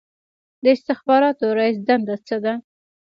د استخباراتو رییس دنده څه ده؟